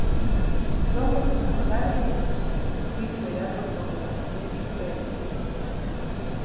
Dos meses más tarde, fue liberado por los Devil Rays.